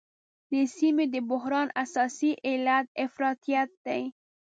د سیمې د بحران اساسي علت افراطیت دی.